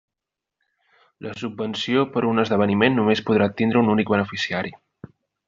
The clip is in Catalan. La subvenció per a un esdeveniment només podrà tindre un únic beneficiari.